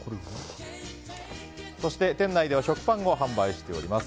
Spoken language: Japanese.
そして店内では食パンを販売しております。